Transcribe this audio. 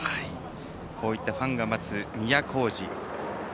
こういったファンが待つ都大路。